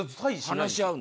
話し合う。